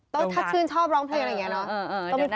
ก็ถ้าชื่นชอบร้องเพลงอะไรอย่างนี้เนอะ